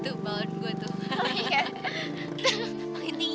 tuh pohon gue tuh